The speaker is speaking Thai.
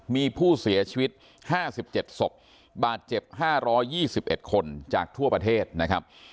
มีผู้เสียชีวิต๕๗ศพบาดเจ็บ๕๒๑คนจากทั่วประเทศนะครับ